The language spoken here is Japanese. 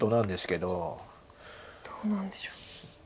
どうなんでしょう。